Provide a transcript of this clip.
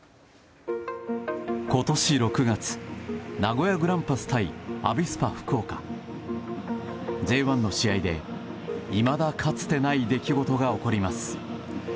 今年６月名古屋グランパス対アビスパ福岡Ｊ１の試合で、いまだかつてない出来事が起こります。